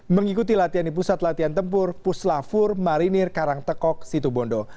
mengikuti latihan di pusat latihan tempur puslafur marinir karangtekok situbondo